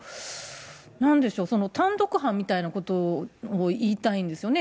なんでしょう、単独犯みたいなことを言いたいんですよね。